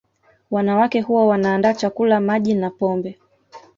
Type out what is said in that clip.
Wanawake huwa wanaandaa chakula Maji na pombe